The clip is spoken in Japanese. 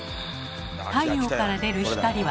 太陽から出る光は白。